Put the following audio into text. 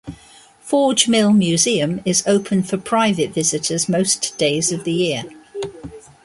Forge Mill Museum is open for private visitors most days of the year.